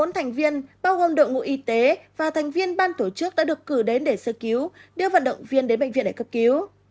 bốn thành viên bao gồm đội ngũ y tế và thành viên ban tổ chức đã được cử đến để sơ cứu đưa vận động viên đến bệnh viện để cấp cứu